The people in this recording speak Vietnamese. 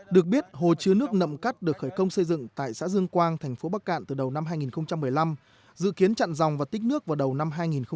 được biết hồ chứa nước nậm cắt được khởi công xây dựng tại xã dương quang thành phố bắc cạn từ đầu năm hai nghìn một mươi năm dự kiến chặn dòng và tích nước vào đầu năm hai nghìn một mươi chín